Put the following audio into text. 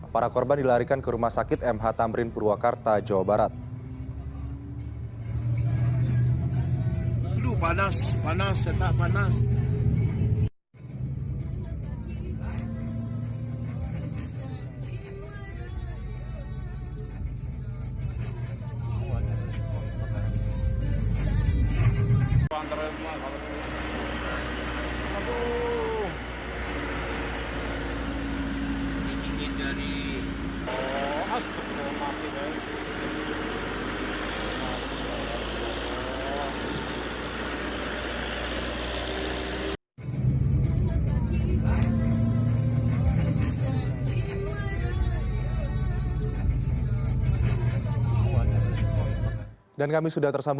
para korban dilarikan ke rumah sakit mh tamrin purwakarta jawa barat